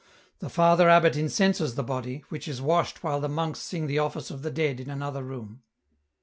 The Father abbot incenses the body, which is washed while the monks sing the Office of the Dead in another room.